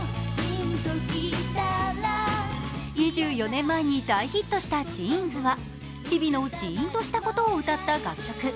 ２４年前に大ヒットした「ジーンズ」は日々のジーンとしたことを歌った楽曲。